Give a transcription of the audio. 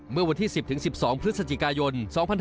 เมื่อวันที่๑๐๑๒พฤศจิกายน๒๕๖๒